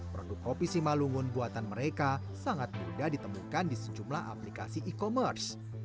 produk kopi simalungun buatan mereka sangat mudah ditemukan di sejumlah aplikasi e commerce